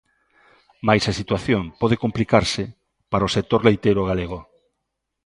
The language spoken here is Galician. Mais a situación pode complicarse para o sector leiteiro galego.